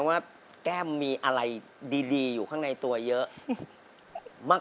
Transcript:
ว่าแก้มมีอะไรดีอยู่ข้างในตัวเยอะมาก